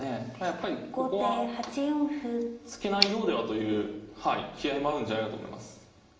やっぱりここは突けないようではという気合いもあるんじゃないかと思います。